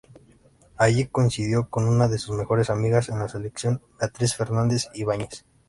Allí coincidió con una de sus mejores amigas en la selección, Beatriz Fernández Ibáñez.